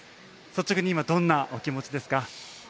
率直に今、どんなお気持ちですか？